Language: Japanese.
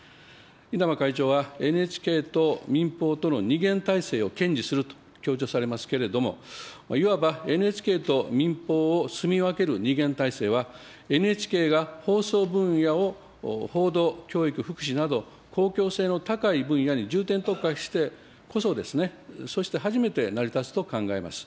稲葉会長はＮＨＫと民放との二元体制を堅持すると強調されますけれども、いわばＮＨＫと民放をすみ分ける二元体制は、ＮＨＫが放送分野を報道、教育、福祉など公共性の高い分野に重点特化してこそ、そして初めて成り立つと思います。